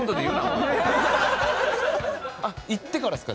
あっ行ってからですか？